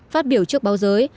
phát biểu trước báo giới